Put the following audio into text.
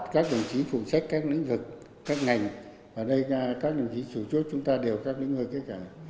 các đồng chí phụ trách các lĩnh vực các ngành và đây các đồng chí chủ chốt chúng ta đều khác lĩnh vực kể cả